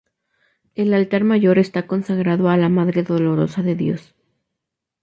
El altar mayor está consagrado a la Madre Dolorosa de Dios.